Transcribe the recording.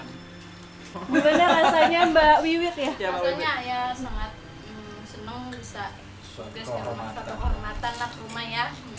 rasanya ayah sangat senang bisa dikasih kehormatan kehormatan nak rumah ya